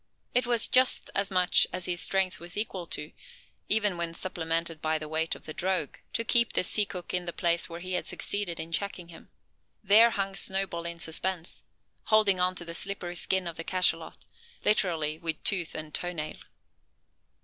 It was just as much as his strength was equal to, even when supplemented by the weight of the drogue, to keep the sea cook in the place where he had succeeded in checking him. There hung Snowball in suspense, holding on to the slippery skin of the cachalot, literally "with tooth and toe nail."